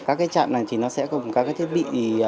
các trạm này thì nó sẽ có các thiết bị